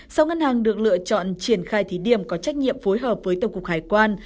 sau ngân hàng được lựa chọn triển khai thí điểm có trách nhiệm phối hợp với tổng cục hải quan